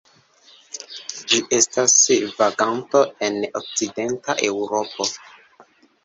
Ĝi estas vaganto en okcidenta Eŭropo.